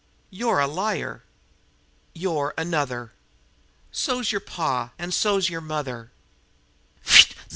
"You're a liar!" "You're another!" "So's yer pa an' so's yer mother!"